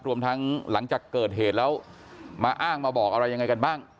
รวมทั้งหลังจากเกิดเหตุแล้วมาอ้างมาบอกอะไรยังไงกันบ้าง